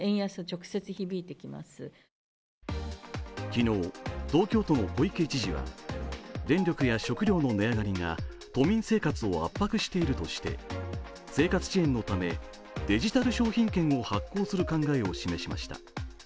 昨日、東京都の小池知事は電力や食料の値上がりが都民生活を圧迫しているとして生活支援のためデジタル商品券を発行する考えを示しました。